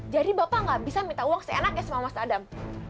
jadi bapak gak bisa minta uang seenaknya sama mas adam